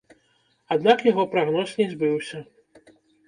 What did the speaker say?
Аднак яго прагноз не збыўся.